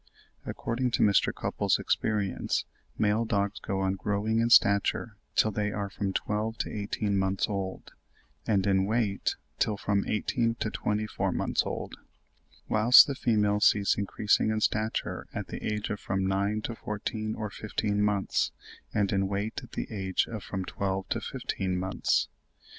According to Mr. Cupples' experience, male dogs go on growing in stature till they are from twelve to eighteen months old, and in weight till from eighteen to twenty four months old; whilst the females cease increasing in stature at the age of from nine to fourteen or fifteen months, and in weight at the age of from twelve to fifteen months.